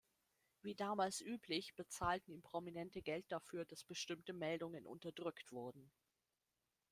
Wie damals üblich, bezahlten ihm Prominente Geld dafür, dass bestimmte Meldungen unterdrückt wurden.